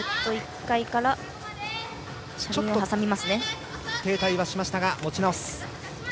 ちょっと停滞はしましたが持ち直す。